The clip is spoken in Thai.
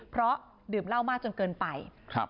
เพราะดื่มเหล้ามากจนเกินไป